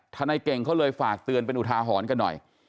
นายเก่งเขาเลยฝากเตือนเป็นอุทาหรณ์กันหน่อย